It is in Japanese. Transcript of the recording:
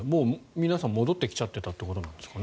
皆さん戻ってきちゃってたということですかね。